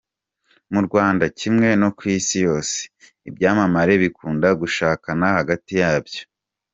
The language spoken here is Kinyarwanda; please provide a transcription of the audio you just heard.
Mu Rwanda kimwe no ku isi yose, ibyamamare bikunda gushakana hagati yabyo.